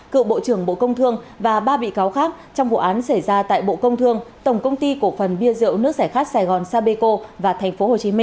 cựu bộ trưởng bộ công thương và ba bị cáo khác trong vụ án xảy ra tại bộ công thương tổng công ty cổ phần bia rượu nước giải khát sài gòn sapeco và tp hcm